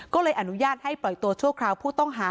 ก็เลยอนุญาตให้ปล่อยตัวชั่วคราวผู้ต้องหา